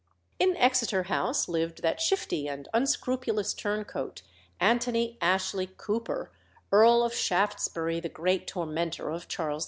In Exeter House lived that shifty and unscrupulous turncoat, Antony Ashley Cooper, Earl of Shaftesbury, the great tormentor of Charles II.